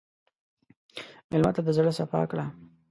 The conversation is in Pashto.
مېلمه ته د زړه صفا کړه.